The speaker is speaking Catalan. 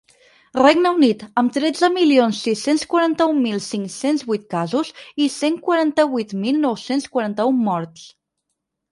Regne Unit, amb tretze milions sis-cents quaranta-un mil cinc-cents vint casos i cent quaranta-vuit mil nou-cents quaranta-un morts.